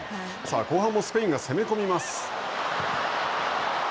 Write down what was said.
後半もスペインが攻め込みます。